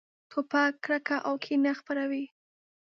توپک کرکه او کینه خپروي.